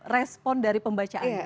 respon dari pembacaannya